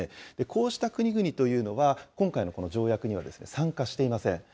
こうした国々というのは、今回のこの条約には参加していません。